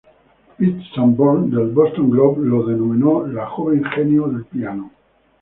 Pitts Sanborn, del Boston Globe la denominó "la joven genio del piano".